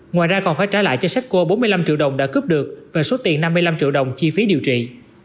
ngoài ra còn phải trả lại cho sách cô bốn mươi năm triệu đồng đã cướp được và số tiền năm mươi năm triệu đồng chi phí điều trị